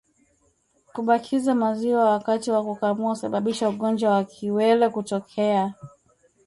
Kubakiza maziwa wakati wa kukamua husababisha ugonjwa wa kiwele kutokea